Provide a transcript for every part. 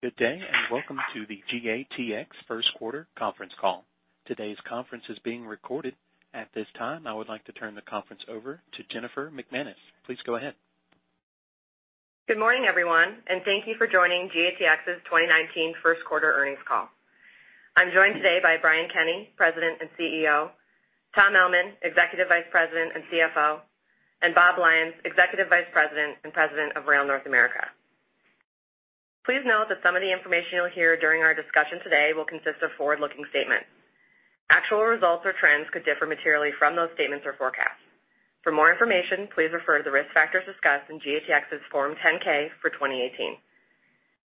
Good day, and welcome to the GATX first quarter conference call. Today's conference is being recorded. At this time, I would like to turn the conference over to Jennifer McManus. Please go ahead. Good morning, everyone, and thank you for joining GATX's 2019 first quarter earnings call. I'm joined today by Brian Kenney, President and CEO, Tom Ellman, Executive Vice President and CFO, and Bob Lyons, Executive Vice President and President of Rail North America. Please note that some of the information you'll hear during our discussion today will consist of forward-looking statements. Actual results or trends could differ materially from those statements or forecasts. For more information, please refer to the risk factors discussed in GATX's Form 10-K for 2018.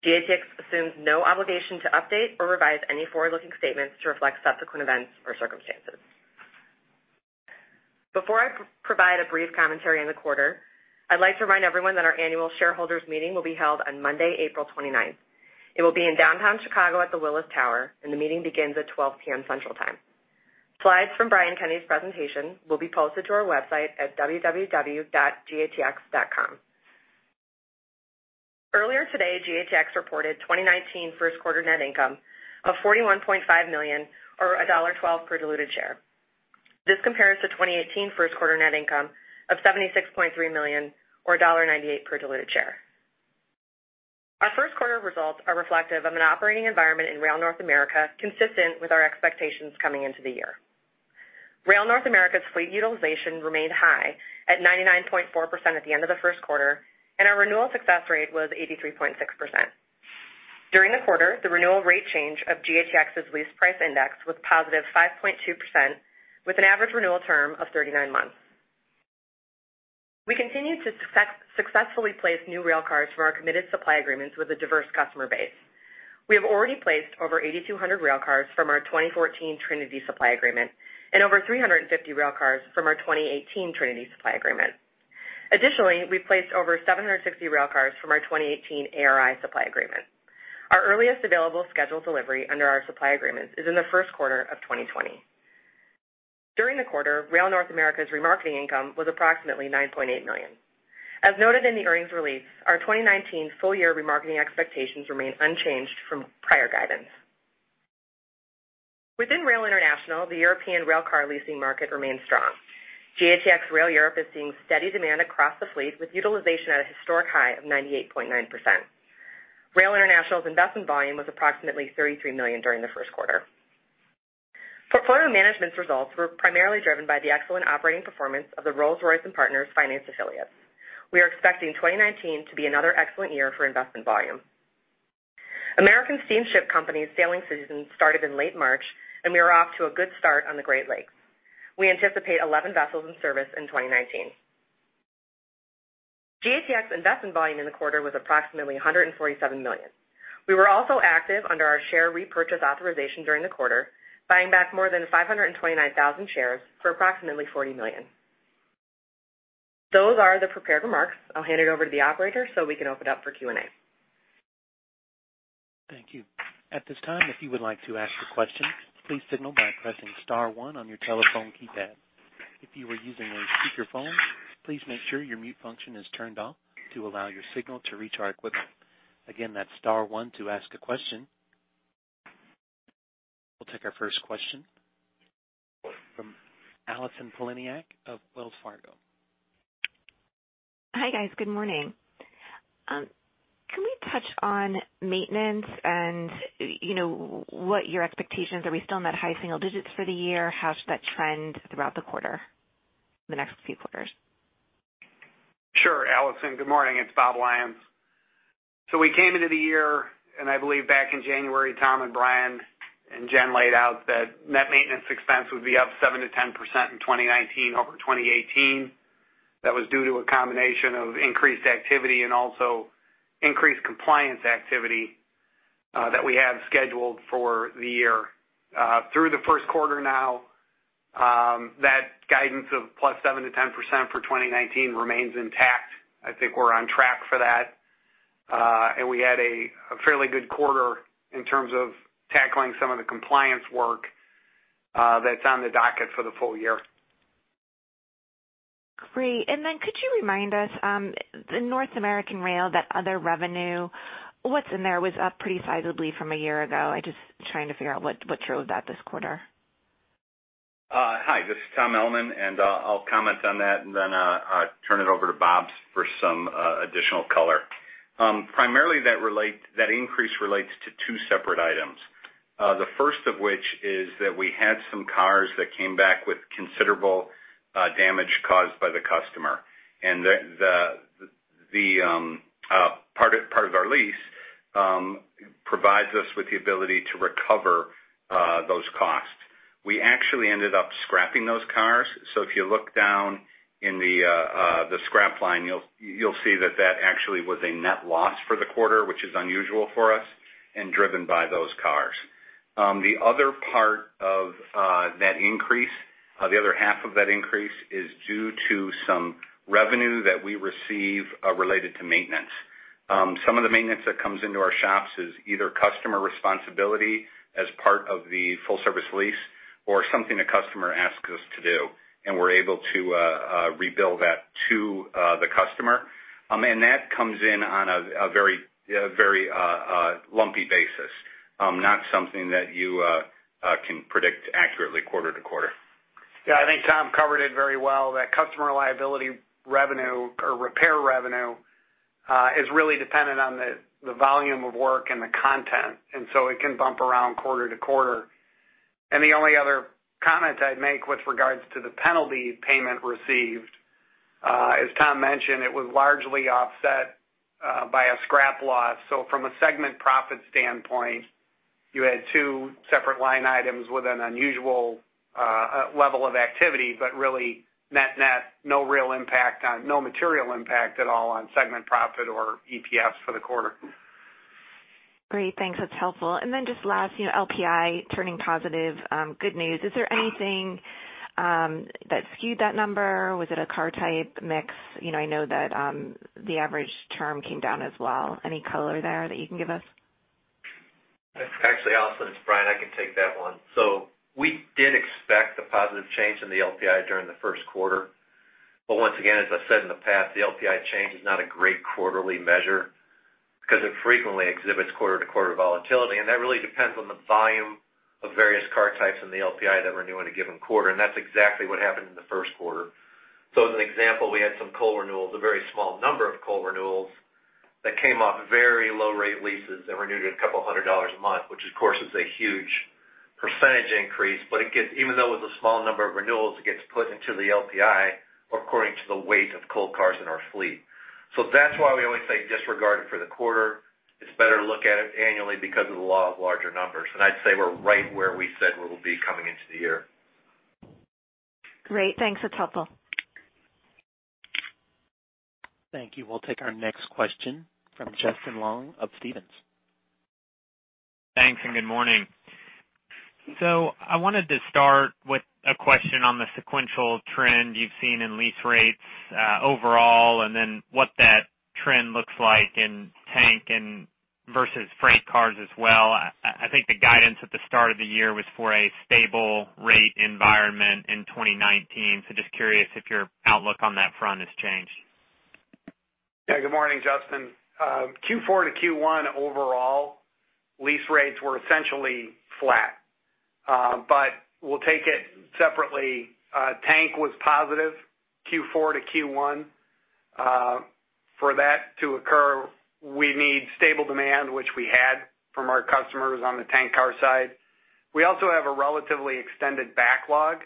GATX assumes no obligation to update or revise any forward-looking statements to reflect subsequent events or circumstances. Before I provide a brief commentary on the quarter, I'd like to remind everyone that our Annual Shareholders Meeting will be held on Monday, April 29th. It will be in downtown Chicago at the Willis Tower, and the meeting begins at 12:00 P.M. Central Time. Slides from Brian Kenney's presentation will be posted to our website at www.gatx.com. Earlier today, GATX reported 2019 first quarter net income of $41.5 million or $1.12 per diluted share. This compares to 2018 first quarter net income of $76.3 million, or $1.98 per diluted share. Our first quarter results are reflective of an operating environment in Rail North America, consistent with our expectations coming into the year. Rail North America's fleet utilization remained high at 99.4% at the end of the first quarter, and our renewal success rate was 83.6%. During the quarter, the renewal rate change of GATX's lease price index was positive 5.2%, with an average renewal term of 39 months. We continued to successfully place new rail cars from our committed supply agreements with a diverse customer base. We have already placed over 8,200 rail cars from our 2014 Trinity supply agreement and over 350 rail cars from our 2018 Trinity supply agreement. Additionally, we placed over 760 rail cars from our 2018 ARI supply agreement. Our earliest available scheduled delivery under our supply agreements is in the first quarter of 2020. During the quarter, Rail North America's remarketing income was approximately $9.8 million. As noted in the earnings release, our 2019 full-year remarketing expectations remain unchanged from prior guidance. Within Rail International, the European rail car leasing market remains strong. GATX Rail Europe is seeing steady demand across the fleet, with utilization at a historic high of 98.9%. Rail International's investment volume was approximately $33 million during the first quarter. Portfolio Management's results were primarily driven by the excellent operating performance of the Rolls-Royce & Partners Finance affiliates. We are expecting 2019 to be another excellent year for investment volume. American Steamship Company's sailing season started in late March, and we are off to a good start on the Great Lakes. We anticipate 11 vessels in service in 2019. GATX investment volume in the quarter was approximately $147 million. We were also active under our share repurchase authorization during the quarter, buying back more than 529,000 shares for approximately $40 million. Those are the prepared remarks. I'll hand it over to the operator so we can open up for Q&A. Thank you. At this time, if you would like to ask a question, please signal by pressing *1 on your telephone keypad. If you are using a speakerphone, please make sure your mute function is turned off to allow your signal to reach our equipment. Again, that's *1 to ask a question. We'll take our first question from Allison Poliniak-Cusic of Wells Fargo. Hi, guys. Good morning. Can we touch on maintenance and what your expectations, are we still in that high single digits for the year? How does that trend throughout the quarter, the next few quarters? Sure, Allison. Good morning. It's Bob Lyons. We came into the year, and I believe back in January, Tom and Brian and Jen laid out that net maintenance expense would be up 7%-10% in 2019 over 2018. That was due to a combination of increased activity and also increased compliance activity that we have scheduled for the year. Through the first quarter now, that guidance of plus 7%-10% for 2019 remains intact. I think we're on track for that. We had a fairly good quarter in terms of tackling some of the compliance work that's on the docket for the full year. Great. Could you remind us, the North American Rail, that other revenue, what's in there was up pretty sizable from a year ago. I'm just trying to figure out what drove that this quarter. Hi, this is Tom Ellman, and I'll comment on that and then turn it over to Bob for some additional color. Primarily, that increase relates to two separate items. The first of which is that we had some cars that came back with considerable damage caused by the customer, and part of our lease provides us with the ability to recover those costs. We actually ended up scrapping those cars, so if you look down in the scrap line, you'll see that that actually was a net loss for the quarter, which is unusual for us and driven by those cars. The other part of that increase, the other half of that increase, is due to some revenue that we receive related to maintenance. Some of the maintenance that comes into our shops is either customer responsibility as part of the full-service lease or something a customer asks us to do, and we're able to rebuild that to the customer. That comes in on a very lumpy basis, not something that you can predict accurately quarter to quarter. Yeah. I think Tom covered it very well. That customer liability revenue or repair revenue, is really dependent on the volume of work and the content, and so it can bump around quarter to quarter. The only other comment I'd make with regards to the penalty payment received, as Tom mentioned, it was largely offset by a scrap loss. From a segment profit standpoint, you had two separate line items with an unusual level of activity, but really net net, no material impact at all on segment profit or EPS for the quarter. Great. Thanks. That's helpful. Just last, LPI turning positive, good news. Is there anything that skewed that number? Was it a car type mix? I know that the average term came down as well. Any color there that you can give us? Actually, Allison, it's Brian. I can take that one. We did expect a positive change in the LPI during the first quarter. Once again, as I said in the past, the LPI change is not a great quarterly measure because it frequently exhibits quarter-to-quarter volatility. That really depends on the volume of various car types in the LPI that renew in a given quarter. That's exactly what happened in the first quarter. As an example, we had some coal renewals, a very small number of coal renewals, that came off very low rate leases that renewed at $200 a month, which of course, is a huge percentage increase. Even though it was a small number of renewals, it gets put into the LPI according to the weight of coal cars in our fleet. That's why we always say disregard it for the quarter. It's better to look at it annually because of the law of larger numbers. I'd say we're right where we said we will be coming into the year. Great. Thanks. That's helpful. Thank you. We'll take our next question from Justin Long of Stephens. Thanks, and good morning. I wanted to start with a question on the sequential trend you've seen in lease rates overall, and then what that trend looks like in tank and versus freight cars as well. I think the guidance at the start of the year was for a stable rate environment in 2019. Just curious if your outlook on that front has changed. Good morning, Justin. Q4 to Q1 overall, lease rates were essentially flat. We'll take it separately. Tank was positive Q4 to Q1. For that to occur, we need stable demand, which we had from our customers on the tank car side. We also have a relatively extended backlog,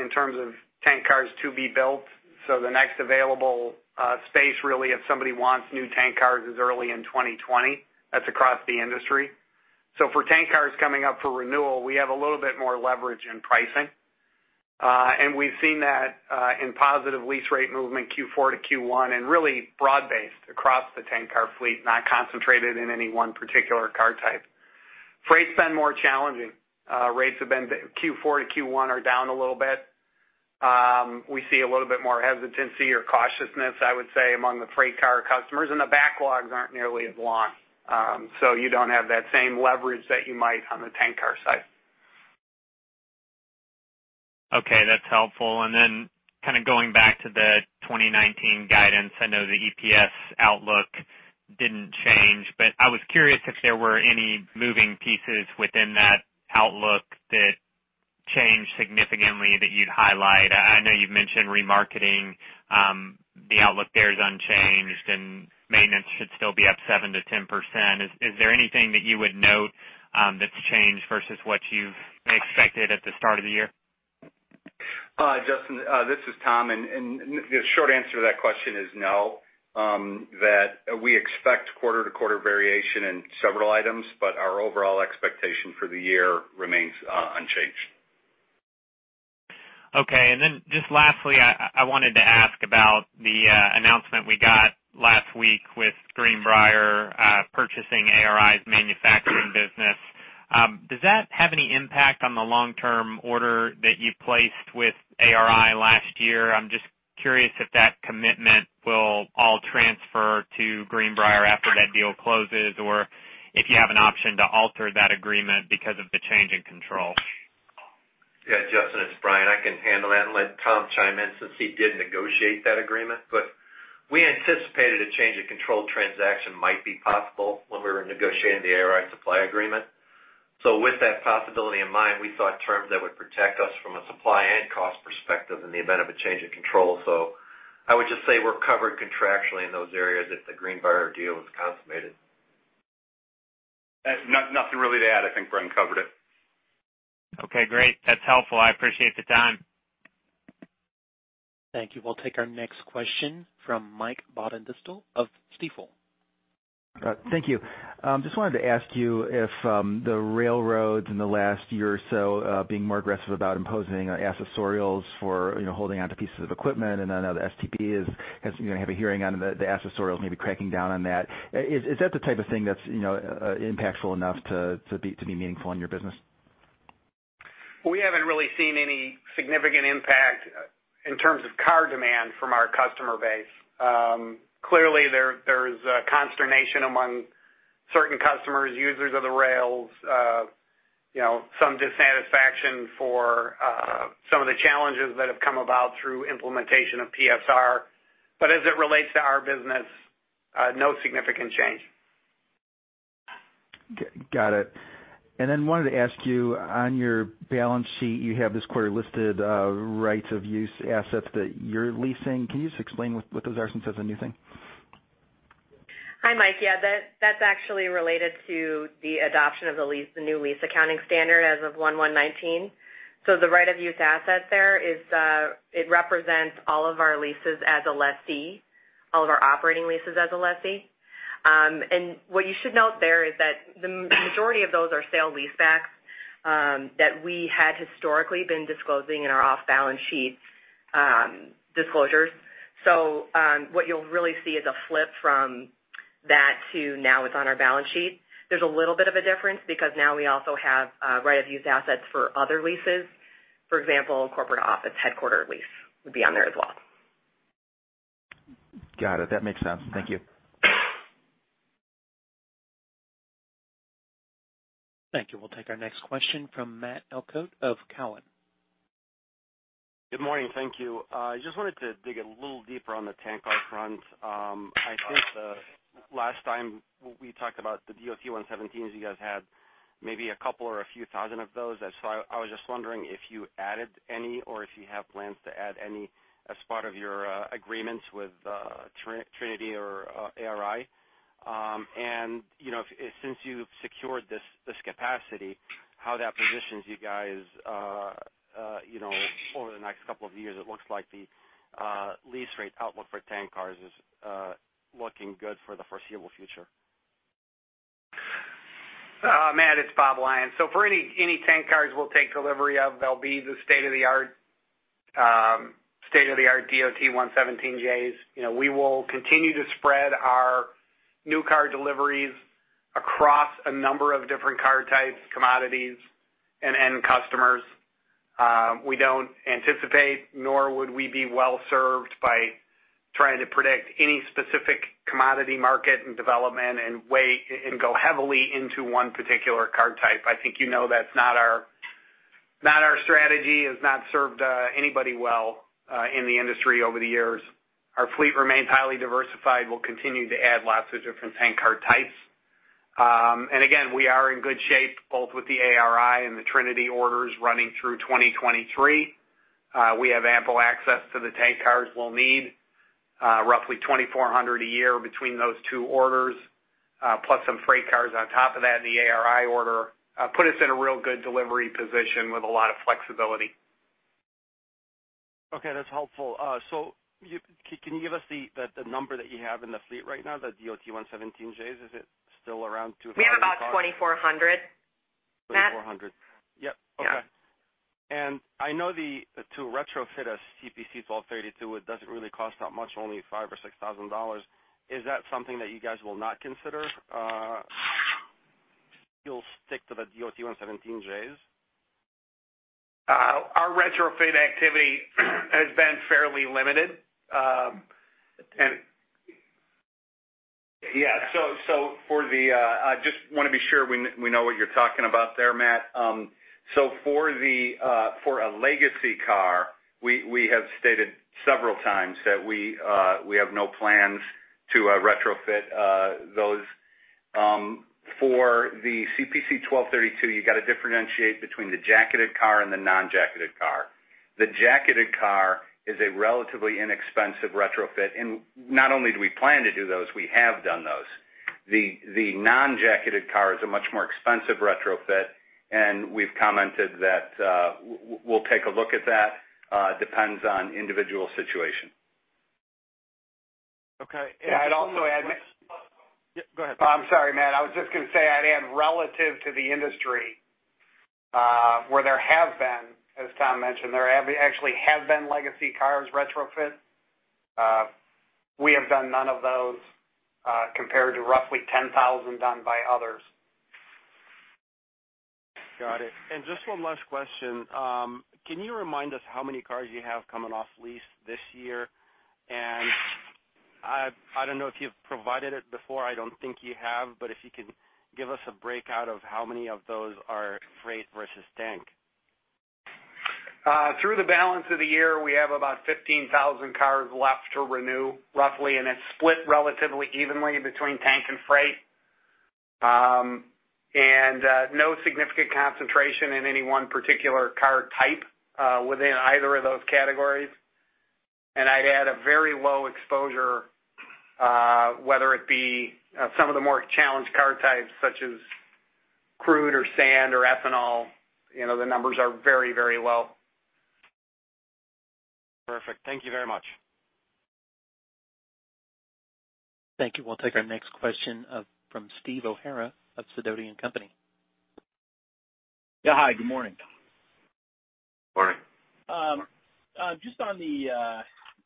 in terms of tank cars to be built. The next available space, really, if somebody wants new tank cars, is early in 2020. That's across the industry. For tank cars coming up for renewal, we have a little bit more leverage in pricing. We've seen that in positive lease rate movement Q4 to Q1 and really broad-based across the tank car fleet, not concentrated in any one particular car type. Freight's been more challenging. Rates Q4 to Q1 are down a little bit. We see a little bit more hesitancy or cautiousness, I would say, among the freight car customers, the backlogs aren't nearly as long. You don't have that same leverage that you might on the tank car side. Okay, that's helpful. Kind of going back to the 2019 guidance, I know the EPS outlook didn't change, but I was curious if there were any moving pieces within that outlook that changed significantly that you'd highlight. I know you've mentioned remarketing. The outlook there is unchanged, and maintenance should still be up 7%-10%. Is there anything that you would note that's changed versus what you've expected at the start of the year? Justin, this is Tom, the short answer to that question is no, that we expect quarter-to-quarter variation in several items, but our overall expectation for the year remains unchanged. Okay. Just lastly, I wanted to ask about the announcement we got last week with Greenbrier purchasing ARI's manufacturing business. Does that have any impact on the long-term order that you placed with ARI last year? I'm just curious if that commitment will all transfer to Greenbrier after that deal closes or if you have an option to alter that agreement because of the change in control. Yeah, Justin, it's Brian. I can handle that and let Tom chime in since he did negotiate that agreement. We anticipated a change in control transaction might be possible when we were negotiating the ARI supply agreement. With that possibility in mind, we sought terms that would protect us from a supply and cost perspective in the event of a change in control. I would just say we're covered contractually in those areas if the Greenbrier deal is consummated. Nothing really to add. I think Brian covered it. Okay, great. That's helpful. I appreciate the time. Thank you. We'll take our next question from Michael Baetens of Stifel. Thank you. Just wanted to ask you if the railroads in the last year or so are being more aggressive about imposing accessorials for holding onto pieces of equipment. I know the STB is going to have a hearing on the accessorials, maybe cracking down on that. Is that the type of thing that's impactful enough to be meaningful in your business? We haven't really seen any significant impact in terms of car demand from our customer base. Clearly, there is consternation among certain customers, users of the rails, some dissatisfaction for some of the challenges that have come about through implementation of PSR. As it relates to our business, no significant change. Got it. Wanted to ask you, on your balance sheet, you have this quarter listed rights of use assets that you're leasing. Can you just explain what those are since that's a new thing? Hi, Mike. Yeah, that's actually related to the adoption of the new lease accounting standard as of 1/1/19. The right of use asset there, it represents all of our leases as a lessee, all of our operating leases as a lessee. What you should note there is that the majority of those are sale lease backs that we had historically been disclosing in our off-balance sheet disclosures. What you'll really see is a flip from that to now it's on our balance sheet. There's a little bit of a difference because now we also have right of use assets for other leases. For example, corporate office headquarter lease would be on there as well. Got it. That makes sense. Thank you. Thank you. We'll take our next question from Matt Elkott of Cowen. Good morning. Thank you. I just wanted to dig a little deeper on the tank car front. I think last time we talked about the DOT-117s, you guys had maybe a couple or a few thousand of those. I was just wondering if you added any or if you have plans to add any as part of your agreements with Trinity or ARI. Since you've secured this capacity, how that positions you guys over the next couple of years, it looks like the lease rate outlook for tank cars is looking good for the foreseeable future. Matt, it's Bob Lyons. For any tank cars we'll take delivery of, they'll be the state-of-the-art DOT-117Js. We will continue to spread our new car deliveries across a number of different car types, commodities, and end customers. We don't anticipate, nor would we be well-served by trying to predict any specific commodity market and development and go heavily into one particular car type. I think you know that's not our strategy, has not served anybody well in the industry over the years. Our fleet remains highly diversified. We'll continue to add lots of different tank car types. Again, we are in good shape both with the ARI and the Trinity orders running through 2023. We have ample access to the tank cars we'll need, roughly 2,400 a year between those two orders, plus some freight cars on top of that in the ARI order, put us in a real good delivery position with a lot of flexibility. Okay, that's helpful. Can you give us the number that you have in the fleet right now, the DOT-117Js? Is it still around 200 cars? We have about 2,400, Matt. 2,400. Yep. Okay. Yeah. I know to retrofit a CPC-1232, it doesn't really cost that much, only $5,000 or $6,000. Is that something that you guys will not consider? You'll stick to the DOT-117Js? Our retrofit activity has been fairly limited. Yeah. I just want to be sure we know what you're talking about there, Matt. For a legacy car, we have stated several times that we have no plans to retrofit those. For the CPC-1232, you got to differentiate between the jacketed car and the non-jacketed car. The jacketed car is a relatively inexpensive retrofit, and not only do we plan to do those, we have done those. The non-jacketed car is a much more expensive retrofit, and we've commented that we'll take a look at that. Depends on individual situation. Okay. Yeah, I'd also add. Yeah, go ahead. Oh, I'm sorry, Matt. I was just going to say, I'd add relative to the industry, where there have been, as Tom mentioned, there actually have been legacy cars retrofit. We have done none of those compared to roughly 10,000 done by others. Got it. Just one last question. Can you remind us how many cars you have coming off lease this year? I don't know if you've provided it before. I don't think you have, if you can give us a breakout of how many of those are freight versus tank. Through the balance of the year, we have about 15,000 cars left to renew, roughly, it's split relatively evenly between tank and freight. No significant concentration in any one particular car type within either of those categories. I'd add a very low exposure, whether it be some of the more challenged car types such as crude or sand or ethanol. The numbers are very, very low. Perfect. Thank you very much. Thank you. We'll take our next question from Steve O'Hara of Sidoti & Company. Yeah, hi. Good morning. Morning. Just on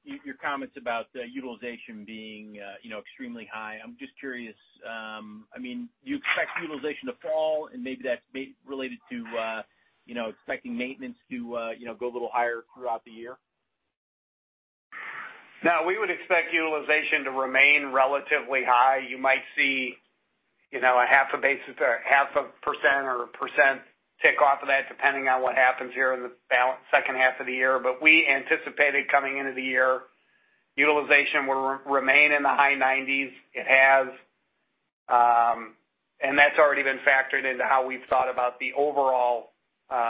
your comments about utilization being extremely high. I'm just curious, do you expect utilization to fall and maybe that's related to expecting maintenance to go a little higher throughout the year? No, we would expect utilization to remain relatively high. You might see a half a percent or a percent tick off of that, depending on what happens here in the second half of the year. We anticipated coming into the year, utilization will remain in the high 90s. It has, and that's already been factored into how we've thought about the overall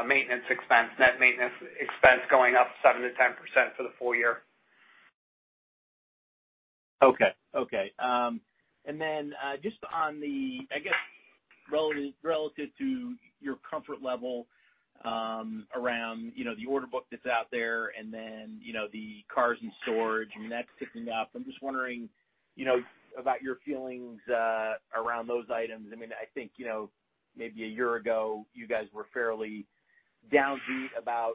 maintenance expense, net maintenance expense going up 7%-10% for the full year. Okay. Just on the, I guess, relative to your comfort level around the order book that's out there and then the cars in storage, I mean, that's ticking up. I'm just wondering about your feelings around those items. I think maybe a year ago, you guys were fairly downbeat about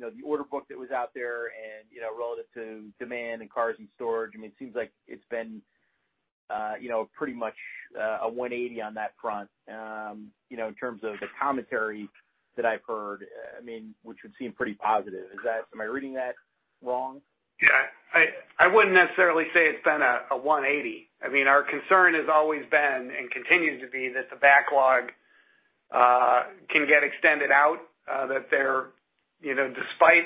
the order book that was out there and relative to demand and cars in storage. It seems like it's been pretty much a 180 on that front, in terms of the commentary that I've heard, which would seem pretty positive. Am I reading that wrong? Yeah. I wouldn't necessarily say it's been a 180. Our concern has always been, and continues to be, that the backlog can get extended out, that despite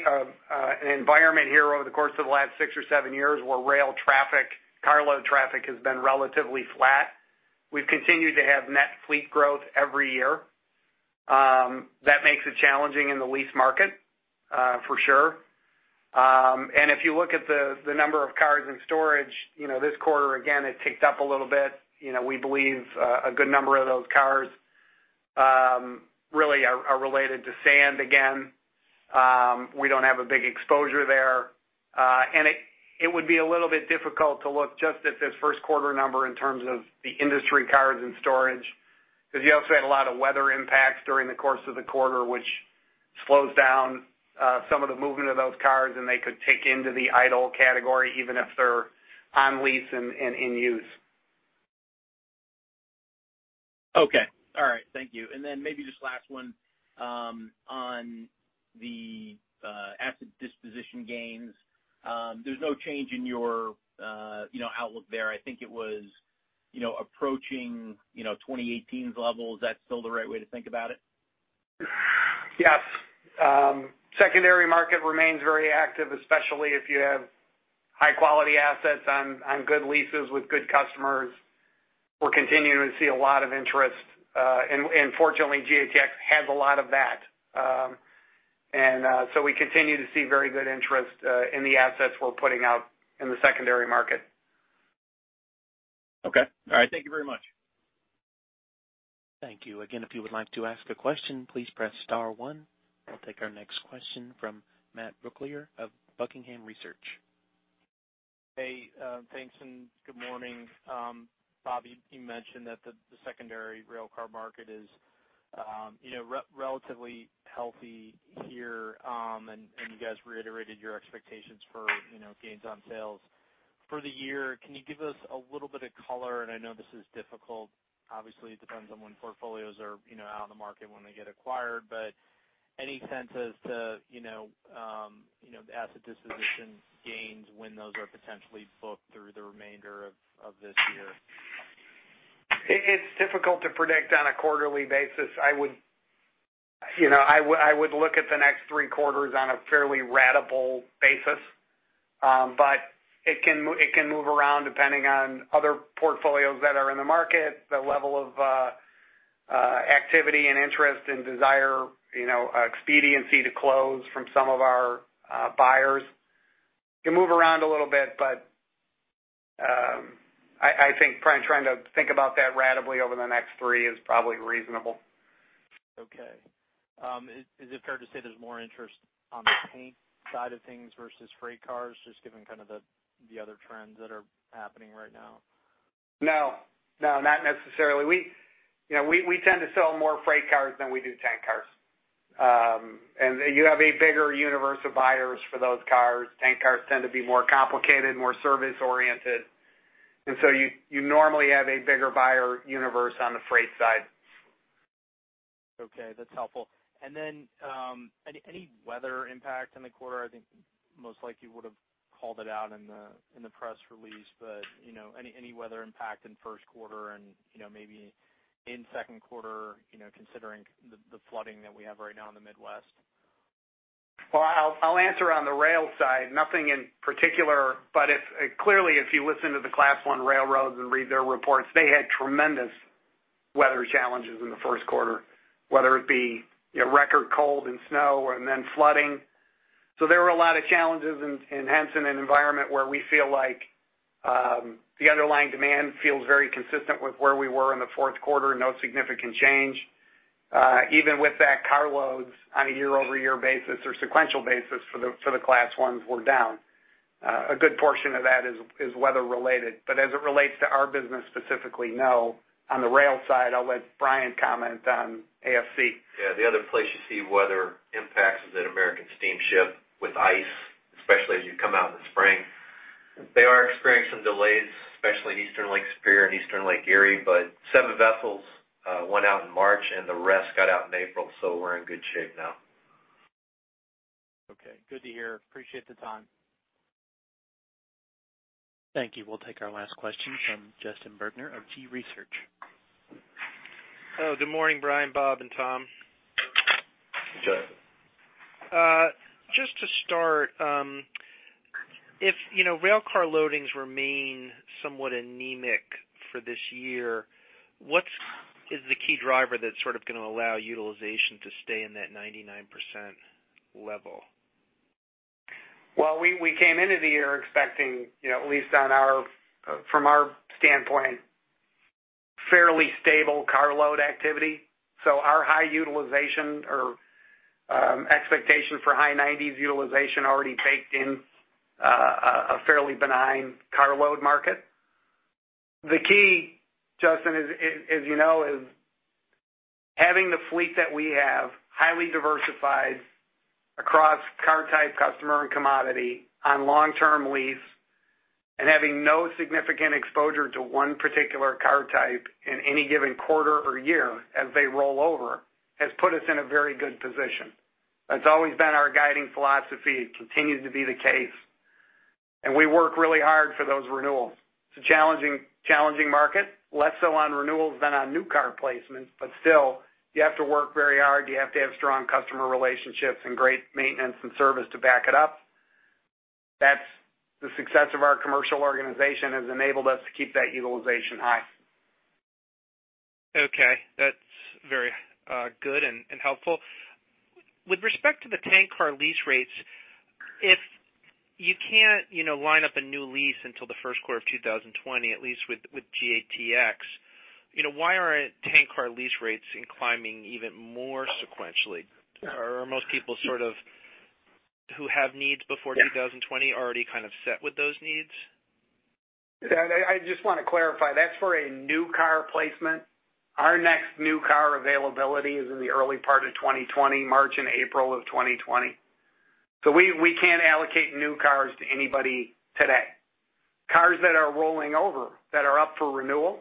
an environment here over the course of the last six or seven years where rail traffic, carload traffic has been relatively flat, we've continued to have net fleet growth every year. That makes it challenging in the lease market for sure. If you look at the number of cars in storage, this quarter, again, it ticked up a little bit. We believe a good number of those cars really are related to sand again. We don't have a big exposure there. It would be a little bit difficult to look just at this first quarter number in terms of the industry cars in storage, because you also had a lot of weather impacts during the course of the quarter, which slows down some of the movement of those cars, and they could tick into the idle category, even if they're on lease and in use. Okay. All right. Thank you. Maybe just last one, on the asset disposition gains. There's no change in your outlook there. I think it was approaching 2018's level. Is that still the right way to think about it? Yes. Secondary market remains very active, especially if you have high quality assets on good leases with good customers. We are continuing to see a lot of interest. Fortunately, GATX has a lot of that. So we continue to see very good interest in the assets we are putting out in the secondary market. Okay. All right. Thank you very much. Thank you. Again, if you would like to ask a question, please press star one. We will take our next question from Matt Brooklier of Buckingham Research. Hey, thanks. Good morning. Bob, you mentioned that the secondary railcar market is relatively healthy here. You guys reiterated your expectations for gains on sales. For the year, can you give us a little bit of color, and I know this is difficult, obviously, it depends on when portfolios are out on the market when they get acquired. Any sense as to the asset disposition gains when those are potentially booked through the remainder of this year? It's difficult to predict on a quarterly basis. I would look at the next three quarters on a fairly ratable basis. It can move around depending on other portfolios that are in the market, the level of activity and interest and desire, expediency to close from some of our buyers. It can move around a little bit, but I think probably trying to think about that ratably over the next three is probably reasonable. Okay. Is it fair to say there's more interest on the tank side of things versus freight cars, just given kind of the other trends that are happening right now? No, not necessarily. We tend to sell more freight cars than we do tank cars. You have a bigger universe of buyers for those cars. Tank cars tend to be more complicated, more service oriented, you normally have a bigger buyer universe on the freight side. Okay, that's helpful. Any weather impact in the quarter? I think most likely you would have called it out in the press release, but any weather impact in first quarter and maybe in second quarter, considering the flooding that we have right now in the Midwest? Well, I'll answer on the rail side. Nothing in particular, but clearly, if you listen to the Class I railroads and read their reports, they had tremendous weather challenges in the first quarter, whether it be record cold and snow and then flooding. There were a lot of challenges, and hence, in an environment where we feel like the underlying demand feels very consistent with where we were in the fourth quarter, no significant change. Even with that, carloads on a year-over-year basis or sequential basis for the Class Is were down. A good portion of that is weather related, but as it relates to our business specifically, no. On the rail side, I'll let Brian comment on ASC. Yeah, the other place you see weather impacts is at American Steamship with ice, especially as you come out in the spring. They are experiencing some delays, especially in eastern Lake Superior and eastern Lake Erie, but seven vessels went out in March and the rest got out in April, so we're in good shape now. Okay, good to hear. Appreciate the time. Thank you. We'll take our last question from Justin Bergner of Gabelli Funds. Hello, good morning, Brian, Bob, and Tom. Justin. Just to start, if rail car loadings remain somewhat anemic for this year, what is the key driver that's going to allow utilization to stay in that 99% level? Well, we came into the year expecting, at least from our standpoint, fairly stable car load activity. Our high utilization or expectation for high nineties utilization already baked in a fairly benign car load market. The key, Justin, as you know, is having the fleet that we have highly diversified across car type, customer, and commodity on long-term lease and having no significant exposure to one particular car type in any given quarter or year as they roll over has put us in a very good position. That's always been our guiding philosophy. It continues to be the case. We work really hard for those renewals. It's a challenging market, less so on renewals than on new car placements, still, you have to work very hard. You have to have strong customer relationships and great maintenance and service to back it up. The success of our commercial organization has enabled us to keep that utilization high. That's very good and helpful. With respect to the tank car lease rates, if you can't line up a new lease until the first quarter of 2020, at least with GATX, why aren't tank car lease rates climbing even more sequentially? Are most people who have needs before 2020 already kind of set with those needs? I just want to clarify, that's for a new car placement. Our next new car availability is in the early part of 2020, March and April of 2020. We can't allocate new cars to anybody today. Cars that are rolling over, that are up for renewal,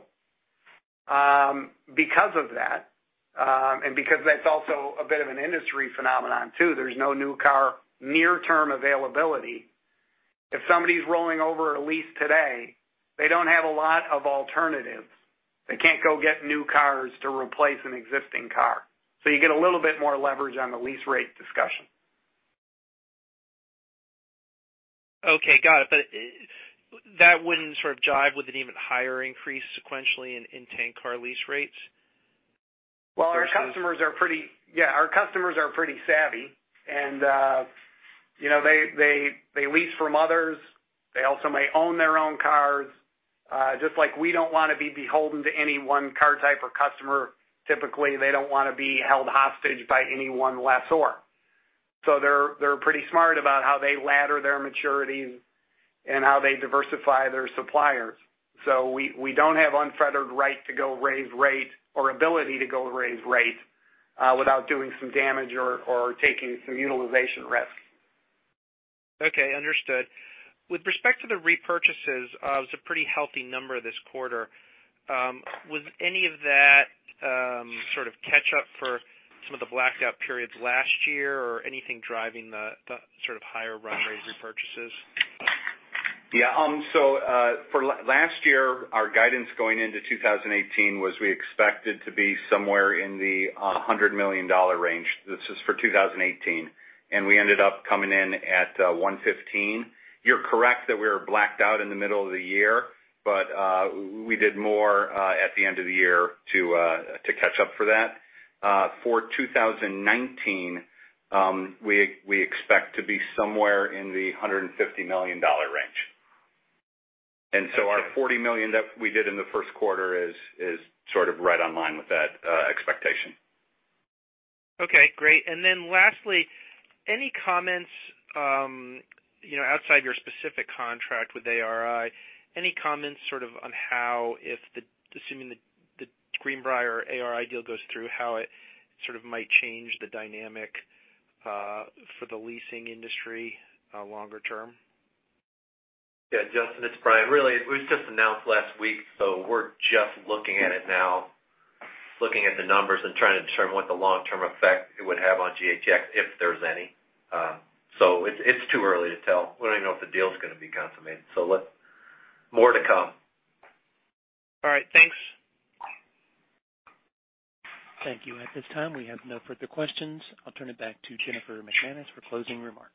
because of that, and because that's also a bit of an industry phenomenon, too. There's no new car near-term availability. If somebody's rolling over a lease today, they don't have a lot of alternatives. They can't go get new cars to replace an existing car. You get a little bit more leverage on the lease rate discussion. Okay, got it. That wouldn't jive with an even higher increase sequentially in tank car lease rates versus- Our customers are pretty savvy, and they lease from others. They also may own their own cars. Just like we don't want to be beholden to any one car type or customer, typically, they don't want to be held hostage by any one lessor. They're pretty smart about how they ladder their maturities and how they diversify their suppliers. We don't have unfettered right to go raise rates or ability to go raise rates without doing some damage or taking some utilization risk. Okay, understood. With respect to the repurchases, it was a pretty healthy number this quarter. Was any of that catch up for some of the blackout periods last year, or anything driving the higher run rate repurchases? For last year, our guidance going into 2018 was we expected to be somewhere in the $100 million range. This is for 2018, and we ended up coming in at $115. You're correct that we were blacked out in the middle of the year, but we did more at the end of the year to catch up for that. For 2019, we expect to be somewhere in the $150 million range. Our $40 million that we did in the first quarter is right online with that expectation. Okay, great. Lastly, outside your specific contract with ARI, any comments on how if, assuming the Greenbrier ARI deal goes through, how it might change the dynamic for the leasing industry longer term? Yeah, Justin, it's Brian. Really, it was just announced last week, so we're just looking at it now, looking at the numbers and trying to determine what the long-term effect it would have on GATX, if there's any. It's too early to tell. We don't even know if the deal is going to be consummated, so more to come. All right. Thanks. Thank you. At this time, we have no further questions. I'll turn it back to Jennifer McManus for closing remarks.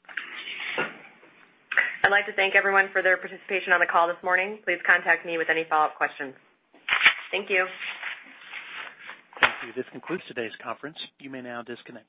I'd like to thank everyone for their participation on the call this morning. Please contact me with any follow-up questions. Thank you. Thank you. This concludes today's conference. You may now disconnect.